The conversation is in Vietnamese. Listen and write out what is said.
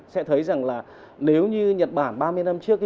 sẽ thấy rằng là nếu như nhật bản ba mươi năm trước